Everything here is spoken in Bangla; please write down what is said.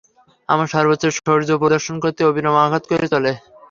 আমর সর্বোচ্চ শৌর্য প্রদর্শন করতে অবিরাম আঘাত করে চলে।